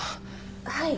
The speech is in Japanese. はい。